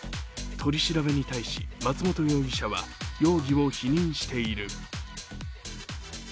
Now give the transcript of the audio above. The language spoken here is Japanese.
取り調べに対し、松本容疑者は容疑を否認している。